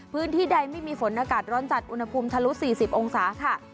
พื้นที่ใดไม่มีฝนอากาศร้อนจัดอุณหภูมิทะลุ๔๐องศาค่ะ